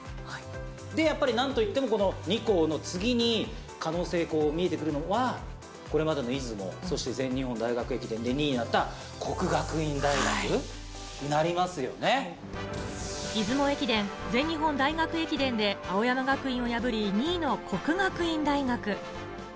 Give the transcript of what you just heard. でやっぱり、なんといっても、この２校の次に可能性、見えてくるのは、これまでの出雲、そして全日本大学駅伝で２位になった、出雲駅伝、全日本大学駅伝で、青山学院を破り２位の國學院大學。